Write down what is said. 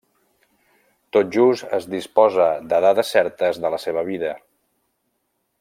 Tot just es disposa de dades certes de la seva vida.